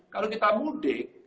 kalau kita mudik